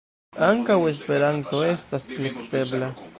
Ankaŭ Esperanto estas elektebla.